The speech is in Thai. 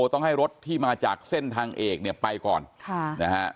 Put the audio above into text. ต้องให้รถที่มาจากเส้นทางเอกเนี่ยไปก่อนค่ะนะฮะ